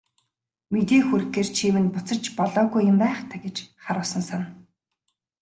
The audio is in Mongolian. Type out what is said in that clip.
Мэдээ хүргэхээр чи минь буцаж болоогүй юм байх даа гэж харуусан санана.